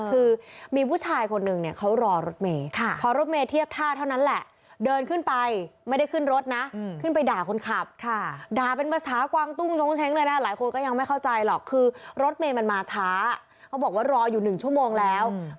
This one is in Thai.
คือมีผู้ชายคนหนึ่งเนี่ยเขารอรถเม